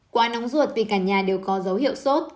quá nóng ruột vì cả nhà đều có dấu hiệu sốt